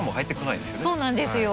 そうなんですよ。